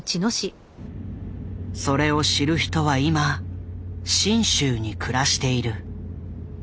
それを知る人は今信州に暮らしている。